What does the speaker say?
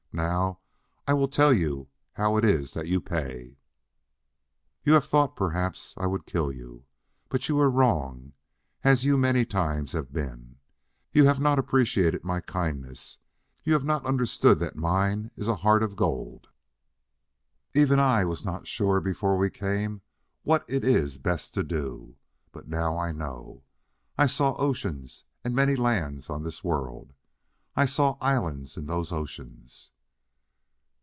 Now, I will tell you how it iss that you pay. "You haff thought, perhaps, I would kill you. But you were wrong, as you many times have been. You haff not appreciated my kindness; you haff not understood that mine iss a heart of gold. "Even I was not sure before we came what it iss best to do. But now I know. I saw oceans and many lands on this world. I saw islands in those oceans.